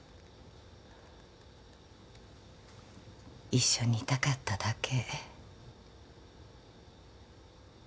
一緒にいたかっただけ。